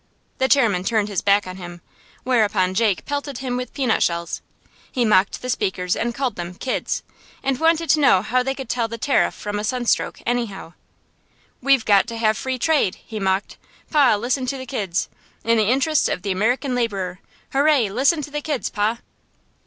The chairman turned his back on him, whereupon Jake pelted him with peanut shells. He mocked the speakers, and called them "kids," and wanted to know how they could tell the Tariff from a sunstroke, anyhow. "We've got to have free trade," he mocked. "Pa, listen to the kids! 'In the interests of the American laborer.' Hoo ray! Listen to the kids, pa!"